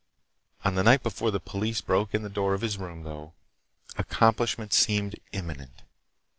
On the night before the police broke in the door of his room, though, accomplishment seemed imminent.